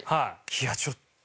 いやちょっと。